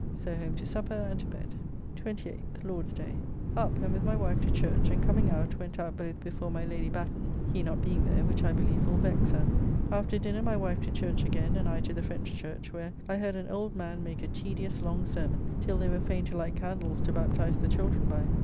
So home to supper and to bed. 28th (Lord's day). Up and, with my wife to church, and coming out, went out both before my Lady Batten, he not being there, which I believe will vex her. After dinner my wife to church again, and I to the French church, where I heard an old man make a tedious, long sermon, till they were fain to light candles to baptize the children by.